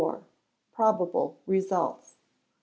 Probable Results.